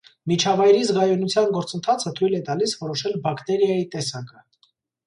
Միջավայրի զգայունության գործընթացը թույլ է տալիս որոշել բակտերիայի տեսակը։